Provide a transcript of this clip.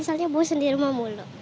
soalnya bosan di rumah mulu